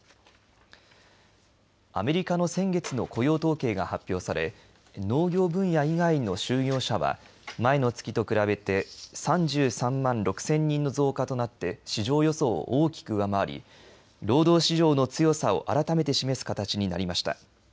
アメリカの先月の雇用統計が発表され農業分野以外の就業者は前の月と比べて３３万６０００人の増加となって市場予想を大きく上回り労働市場の強さを改めて示す形になりました。